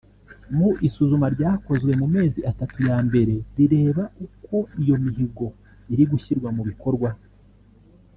Mu isuzuma ryakozwe mu mezi atatu ya mbere rireba uko iyo mihigo iri gushyirwa mu bikorwa